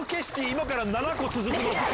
今から７個続くのか？